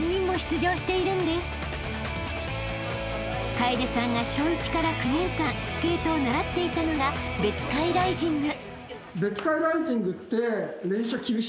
［楓さんが小１から９年間スケートを習っていたのが別海ライジング］